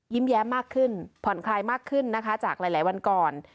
แย้มมากขึ้นผ่อนคลายมากขึ้นนะคะจากหลายวันก่อน